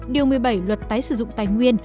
điều một mươi bảy luật tái sử dụng tài nguyên